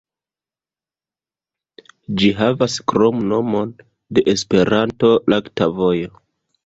Ĝi havas kromnomon de Esperanto, "Lakta vojo".